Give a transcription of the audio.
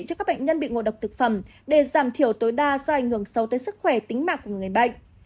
cho các bệnh nhân bị ngộ độc thực phẩm để giảm thiểu tối đa do ảnh hưởng sâu tới sức khỏe tính mạng của người bệnh